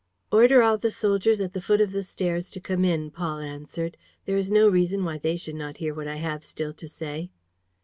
..." "Order all the soldiers at the foot of the stairs to come in," Paul answered. "There is no reason why they should not hear what I have still to say."